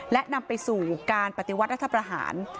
และนำไปสู่การปฏิวัติรัฐประหาร